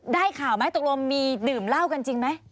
ได้ข่าวไหมตกลงมีดื่มเหล้ากันจริงไหม